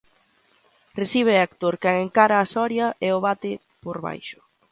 Recibe Héctor, quen encara a Soria e o bate por baixo.